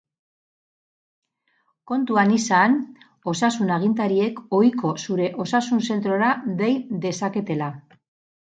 Kontuan izan osasun agintariek ohiko zure osasun-zentrora dei dezaketela.